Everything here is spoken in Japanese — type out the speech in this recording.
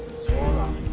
そうだ。